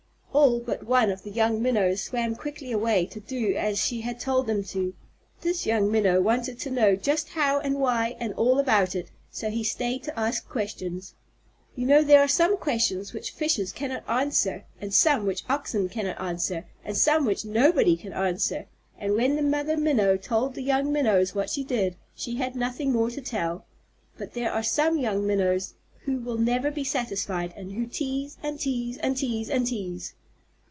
All but one of the young Minnows swam quickly away to do as she had told them to. This young Minnow wanted to know just how and why and all about it, so he stayed to ask questions. You know there are some questions which fishes cannot answer, and some which Oxen cannot answer, and some which nobody can answer; and when the Mother Minnow told the young Minnows what she did, she had nothing more to tell. But there are some young Minnows who never will be satisfied, and who tease, and tease, and tease, and tease.